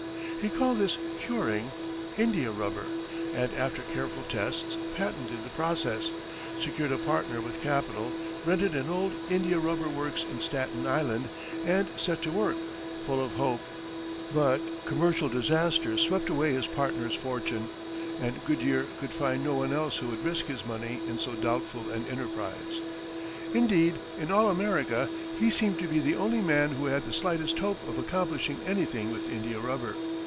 He called this "curing" India rubber, and after careful tests, patented the process, secured a partner with capital, rented an old India rubber works on Staten Island, and set to work, full of hope. But commercial disaster swept away his partner's fortune, and Goodyear could find no one else who would risk his money in so doubtful an enterprise. Indeed, in all America he seemed to be the only man who had the slightest hope of accomplishing anything with India rubber.